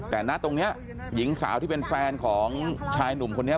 แต่ณตรงนี้หญิงสาวที่เป็นแฟนของชายหนุ่มคนนี้